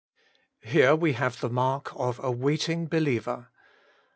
HERE we have the mark of a waiting believer.